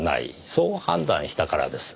そう判断したからです。